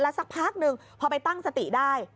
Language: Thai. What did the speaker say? สักพักหนึ่งพอไปตั้งสติได้